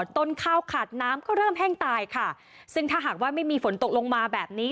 ต้นข้าวขาดน้ำก็เริ่มแห้งตายค่ะซึ่งถ้าหากว่าไม่มีฝนตกลงมาแบบนี้